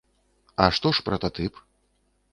А што ж прататып?